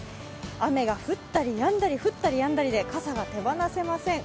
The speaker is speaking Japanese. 雨が降ったりやんだり降ったりやんだりで傘が手放せません。